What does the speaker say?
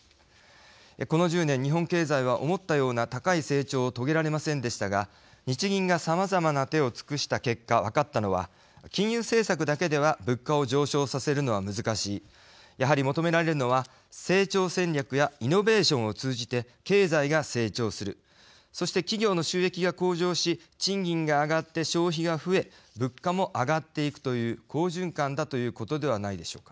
この１０年日本経済は思ったような高い成長を遂げられませんでしたが日銀がさまざまな手を尽くした結果分かったのは金融政策だけでは物価を上昇させるのは難しいやはり求められるのは成長戦略やイノベーションを通じて経済が成長するそして企業の収益が向上し賃金が上がって消費が増え物価も上がっていくという好循環だということではないでしょうか。